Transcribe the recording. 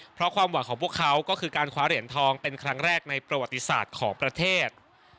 เพราะความหวังของพวกเขาก็คือการคว้าเหรียญทองเป็นครั้งแรกในประวัติศาสตร์ของประเทศ